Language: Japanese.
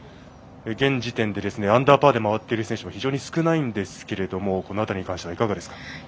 現時点でアンダーパーで回っている選手が非常に少ないんですけどもこの辺りに関してはいかがですか？